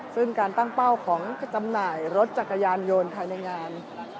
ซึ่งการตั้งเป้าของจำหน่ายรถจักรยานยนต์ภายในงาน